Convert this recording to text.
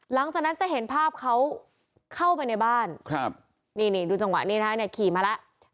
หลังจากนั้นจะเห็นภาพเขาเข้าไปในบ้านครับนี่นี่ดูจังหวะนี้นะคะเนี่ยขี่มาแล้ว